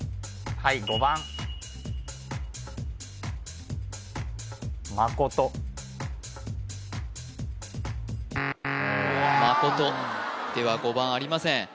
はいまことでは５番ありません